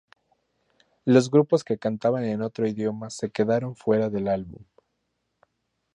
Los grupos que cantaban en otro idioma se quedaron fuera del álbum.